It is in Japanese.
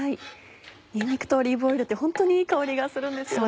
にんにくとオリーブオイルってホントにいい香りがするんですよね。